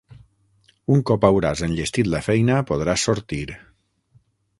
Un cop hauràs enllestit la feina podràs sortir.